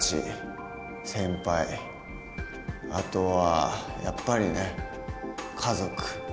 あとはやっぱりね家族。